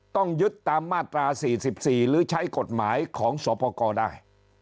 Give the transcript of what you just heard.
ต้องยึดตามมาตรา๔๔หรือใช้กฎหมายของสปกรได้